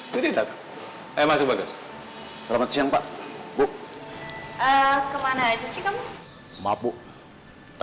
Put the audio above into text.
jadi kalau misalkan aku kaget